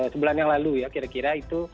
sebulan yang lalu ya kira kira itu